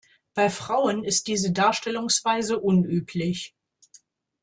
Bei Frauen ist diese Darstellungsweise unüblich.